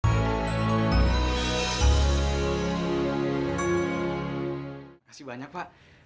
terima kasih banyak pak